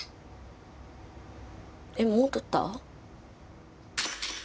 えっもう撮った？